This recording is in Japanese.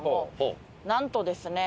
なんとですね